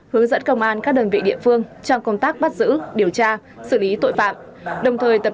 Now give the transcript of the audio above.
hướng dẫn công an các đơn vị địa phương trong công tác bắt giữ điều tra xử lý tội phạm